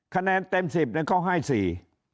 คะแนนเต็ม๑๐ก็ให้๔